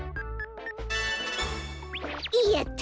やった！